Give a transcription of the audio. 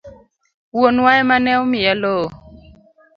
Wuonwa ema ne omiya lowo.